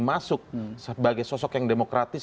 masuk sebagai sosok yang demokratis